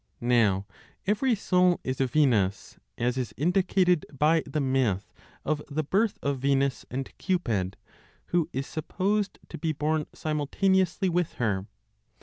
Now every soul is a Venus, as is indicated by the myth of the birth of Venus and Cupid, who is supposed to be born simultaneously with her.